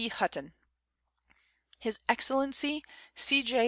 HUTTON. His Excellency C. J.